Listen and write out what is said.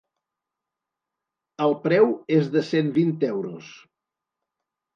El preu és de cent vint euros.